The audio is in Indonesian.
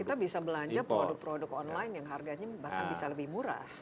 kita bisa belanja produk produk online yang harganya bahkan bisa lebih murah